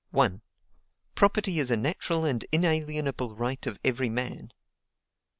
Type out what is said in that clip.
Property is a natural and inalienable right of every man; 2.